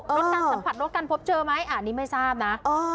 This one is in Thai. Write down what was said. โอเคเพราะคุณเจอไหมนี่ไม่ทราบนะ